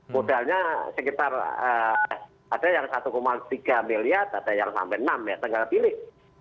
modalnya sekitar ada yang satu tiga miliar ada yang sampai enam ya tinggal pilih